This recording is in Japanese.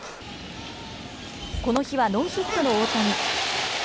この日はノーヒットの大谷。